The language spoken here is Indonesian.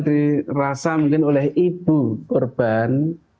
dirasa mungkin oleh ibu korban